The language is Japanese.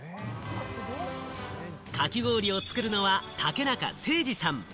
かき氷を作るのは竹中誠治さん。